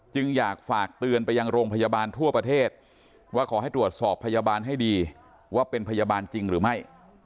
จึงอยากฝากเตือนไปยังโรงพยาบาลทั่วประเทศว่าขอให้ตรวจสอบพยาบาลให้ดีว่าเป็นพยาบาลจริงหรือไม่